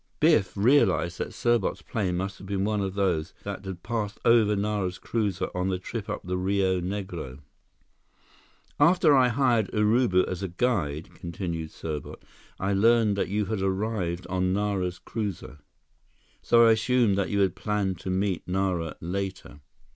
Biff realized that Serbot's plane must have been one of those that had passed over Nara's cruiser on the trip up the Rio Negro. "After I hired Urubu as a guide," continued Serbot, "I learned that you had arrived on Nara's cruiser. So I assumed that you planned to meet Nara later."